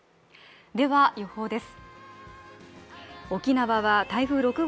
では、予報です。